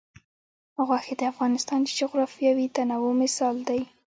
غوښې د افغانستان د جغرافیوي تنوع مثال دی.